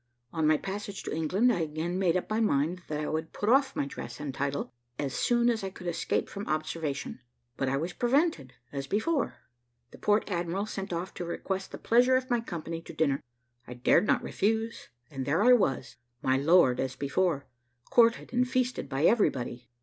On my passage to England, I again made up my mind that I would put off my dress and title as soon as I could escape from observation; but I was prevented as before. The port admiral sent off to request the pleasure of my company to dinner. I dared not refuse; and there I was, my lord as before, courted and feasted by everybody.